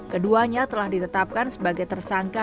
keduanya telah ditetapkan sebagai tersangka